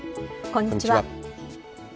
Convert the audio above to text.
こんにちは。